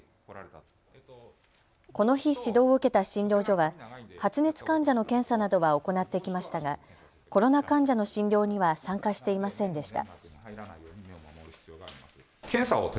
この日、指導を受けた診療所は発熱患者の検査などは行ってきましたがコロナ患者の診療には参加していませんでした。